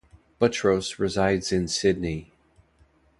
Buttrose resides in Sydney.